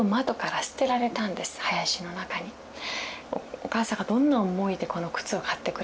お母さんがどんな思いでこの靴を買ってくれたか